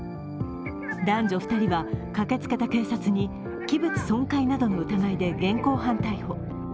男女２人は駆けつけた警察に器物損壊などの疑いで現行犯逮捕。